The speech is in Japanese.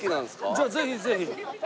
じゃあぜひぜひ。